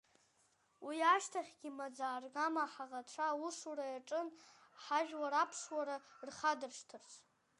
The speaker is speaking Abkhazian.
Уи ашьҭахьгьы маӡа-аргама ҳаӷацәа аусура иаҿын, ҳажәлар аԥсуара рхадыршҭырц…